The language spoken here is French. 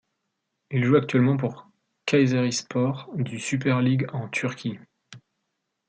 Il joue actuellement pour Kayserispor du Super League en Turquie.